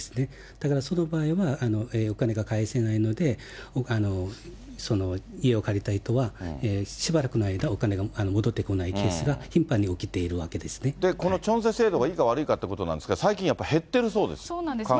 だからその場合は、お金が返せないので、その家を借りた人は、しばらくの間お金が戻ってこないケースが頻繁に起きているわけでこのチョンセ制度がいいか悪いかということなんですが、最近、やっぱり減ってるそうです、韓国そうなんです。